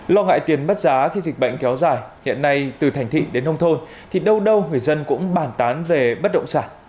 lo ngại tiền mất giá khi dịch bệnh kéo dài hiện nay từ thành thị đến nông thôn thì đâu đâu người dân cũng bàn tán về bất động sản